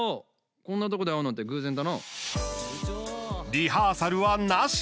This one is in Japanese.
リハーサルは、なし。